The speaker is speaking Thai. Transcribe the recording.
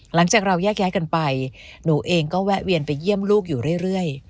หลังจากเราแยกย้ายกันไปหนูเองก็แวะเวียนไปเยี่ยมลูกอยู่เรื่อย